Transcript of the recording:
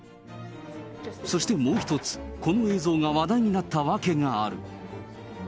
そしてもう一つ、この映像が話題になった訳がある。